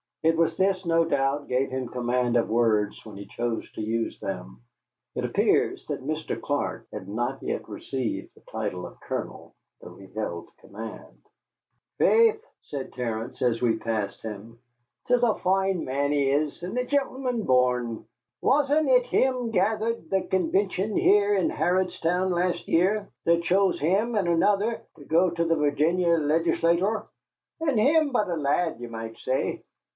It was this, no doubt, gave him command of words when he chose to use them. ¹ It appears that Mr. Clark had not yet received the title of Colonel, though he held command. Editor. "Faith," said Terence, as we passed him, "'tis a foine man he is, and a gintleman born. Wasn't it him gathered the Convintion here in Harrodstown last year that chose him and another to go to the Virginia legislatoor? And him but a lad, ye might say.